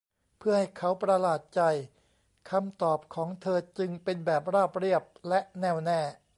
เพื่อให้เขาประหลาดใจ คำตอบของเธอจึงเป็นแบบราบเรียบและแน่วแน่